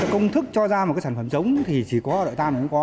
công thức cho ra một cái sản phẩm trống thì chỉ có đội tan mà nó có